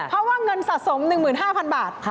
เพราะว่าเงินสะสม๑๕๐๐๐บาท